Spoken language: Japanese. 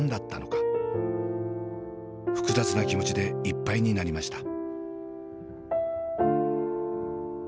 複雑な気持ちでいっぱいになりました。